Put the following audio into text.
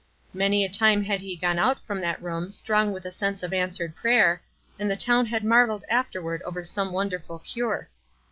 Many a time had he gone out from that room strong with a sense of answered prayer, and the town had marveled afterward over some wonderful cure.